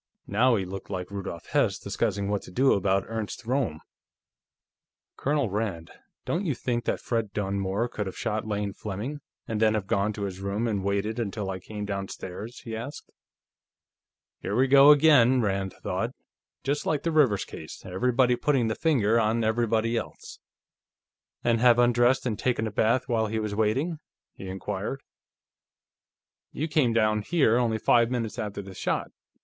Now he looked like Rudolf Hess discussing what to do about Ernst Roehm. "Colonel Rand; don't you think that Fred Dunmore could have shot Lane Fleming, and then have gone to his room and waited until I came downstairs?" he asked. Here we go again! Rand thought. Just like the Rivers case; everybody putting the finger on everybody else.... "And have undressed and taken a bath, while he was waiting?" he inquired. "You came down here only five minutes after the shot.